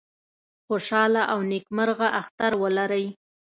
خوشاله او نیکمرغه اختر ولرئ